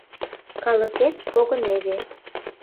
Калыкет погыневе.